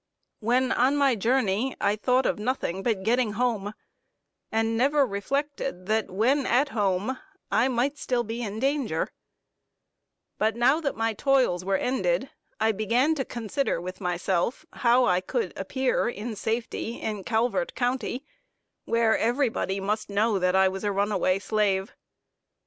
When on my journey I thought of nothing but getting home, and never reflected, that when at home, I might still be in danger; but now that my toils were ended, I began to consider with myself how I could appear in safety in Calvert county, where everybody must know that I was a runaway slave.